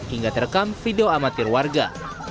hingga terekam video amatir warga